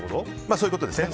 そういうことですね。